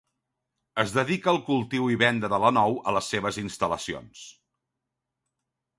Es dedica al cultiu i venda de la nou a les seves instal·lacions.